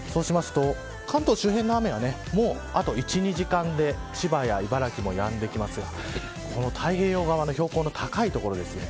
関東周辺の雨はあと１、２時間で千葉や茨城もやんできますが太平洋側の標高の高い所ですね